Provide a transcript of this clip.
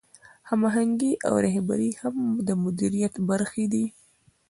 هماهنګي او رهبري هم د مدیریت برخې دي.